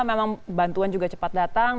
memang bantuan juga cepat datang